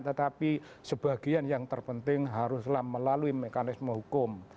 tetapi sebagian yang terpenting haruslah melalui mekanisme hukum